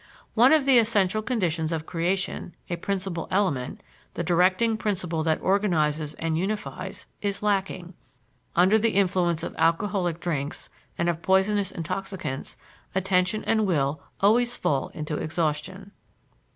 One of the essential conditions of creation, a principal element the directing principle that organizes and unifies is lacking. Under the influence of alcoholic drinks and of poisonous intoxicants attention and will always fall into exhaustion.